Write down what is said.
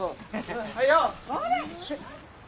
はよう！